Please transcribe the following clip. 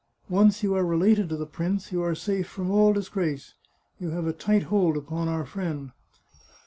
Once you are related to the prince, you are safe from all dis grace; you have a tight hold upon our friend.